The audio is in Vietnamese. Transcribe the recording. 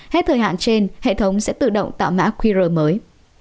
hết thời hạn trên hệ thống sẽ tự động tạo mã qr mới